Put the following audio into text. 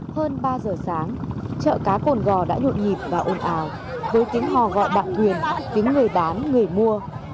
hơn ba giờ sáng chợ cá cồn gò đã nhộn nhịp và ồn ào với tiếng hò gọi đạo thuyền kính người bán người mua